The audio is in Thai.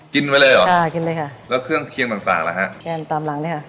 กินเลยค่ะแล้วเครื่องเคียงต่างต่างแล้วฮะแก้มตามหลังเลยค่ะ